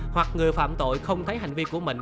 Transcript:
hoặc người phạm tội không thấy hành vi của mình